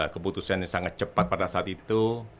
keputusan yang sangat cepat pada saat itu